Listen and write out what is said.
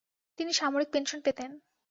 তিনি সামরিক পেনশন পেতেন।